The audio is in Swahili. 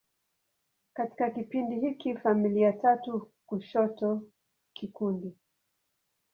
Katika kipindi hiki, familia tatu kushoto kikundi.